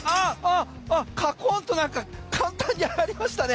カコンとなんか簡単に入りましたね。